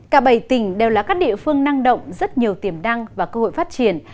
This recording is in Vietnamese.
cả bảy tỉnh đều là các địa phương năng động rất nhiều tiềm năng và cơ hội phát triển